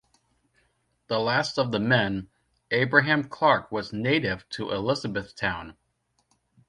The last of the men, Abraham Clark, was native to Elizabethtown.